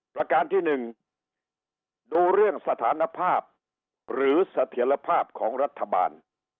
ประการที่๑ดูเรื่องสถานภาพหรือเสถียรภาพของรัฐบาล